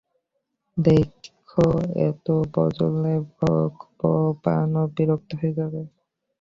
দেখো এতো বজনে ভগবান ও বিরক্ত হয়ে যাবে।